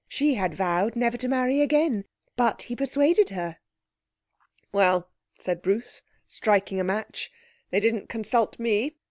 She had vowed never to marry again, but he persuaded her.' 'Well,' said Bruce, striking a match, 'they didn't consult me!